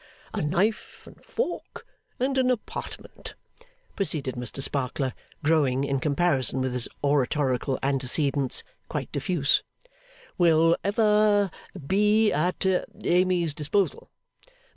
'A knife and fork and an apartment,' proceeded Mr Sparkler, growing, in comparison with his oratorical antecedents, quite diffuse, 'will ever be at Amy's disposal.